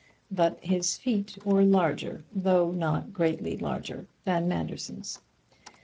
But his feet were larger, though not greatly larger, than Manderson's.